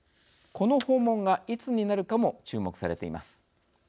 この訪問がいつになるかも注目されています。